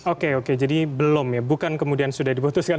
oke oke jadi belum ya bukan kemudian sudah diputuskan